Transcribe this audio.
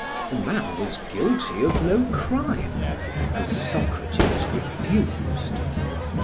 The man was guilty of no crime, and Socrates refused.